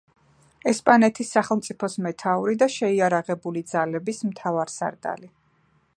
ესპანეთის სახელმწიფოს მეთაური და შეიარაღებული ძალების მთავარსარდალი.